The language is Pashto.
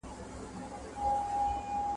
بيا به تاوکي چنګ برېتونه !.